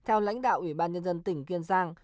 theo lãnh đạo ủy ban nhân dân tỉnh kiên giang